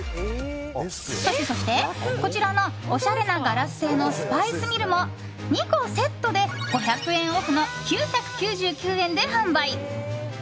そしてそしてこちらのおしゃれなガラス製のスパイスミルも２個セットで５００円オフの９９９円で販売。